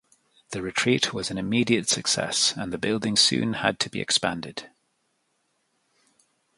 The retreat was an immediate success, and the building soon had to be expanded.